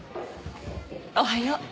おはよう。